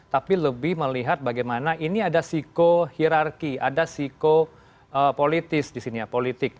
tapi lebih melihat bagaimana ini ada psikohirarki ada psikopolitik di sini